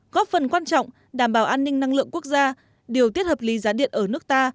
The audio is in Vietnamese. góp phần quan trọng đảm bảo an ninh năng lượng quốc gia điều tiết hợp lý giá điện ở nước ta